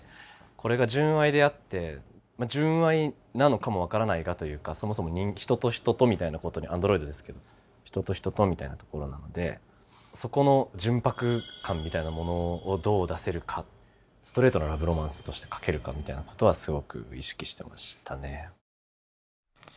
これが純愛であって純愛なのかも分からないがというかそもそも人と人とみたいなことにアンドロイドですけど人と人とみたいなところなのでそこの純白感みたいなものをどう出せるかストレートなラブロマンスとして書けるかみたいなことはすごく意識してましたね。